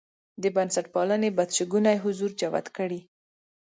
د بنسټپالنې بدشګونی حضور جوت کړي.